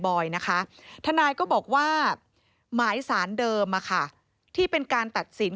อยนะคะทนายก็บอกว่าหมายสารเดิมที่เป็นการตัดสิน